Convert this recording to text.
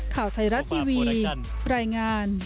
ข่าวไทยรัฐทีวีรายงาน